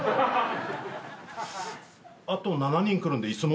あと７人来るんで椅子。